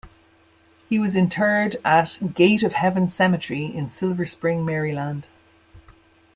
He was interred at Gate of Heaven Cemetery in Silver Spring, Maryland.